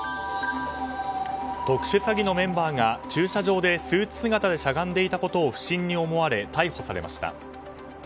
特殊詐欺のメンバーが駐車場でスーツ姿でしゃがんでいたことを不審に思われ逮捕されました。